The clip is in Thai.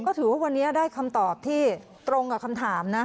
ก็ถือว่าวันนี้ได้คำตอบที่ตรงกับคำถามนะ